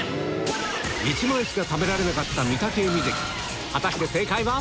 １枚しか食べられなかった御嶽海関果たして正解は？